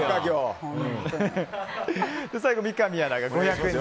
最後、三上アナが１万５００円。